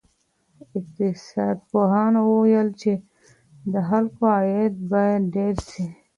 اقتصاد پوهانو وویل چې د خلکو عاید باید ډېر سي.